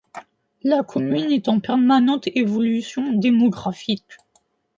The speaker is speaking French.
La commune est en permanente évolution démographique.